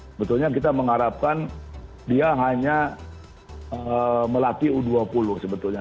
sebetulnya kita mengharapkan dia hanya melatih u dua puluh sebetulnya